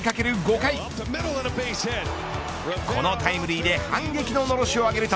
１点を追い掛ける５回このタイムリーで反撃の、のろしを上げると。